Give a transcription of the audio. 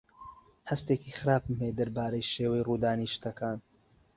هەستێکی خراپم هەیە دەربارەی شێوەی ڕوودانی شتەکان.